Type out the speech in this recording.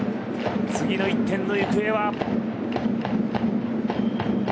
次の１点の行方は。